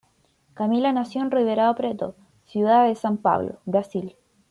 Camila nació en Ribeirão Preto, ciudad de San Pablo, Brasil.